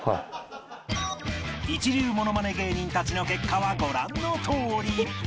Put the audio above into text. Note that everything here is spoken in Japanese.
一流ものまね芸人たちの結果はご覧のとおり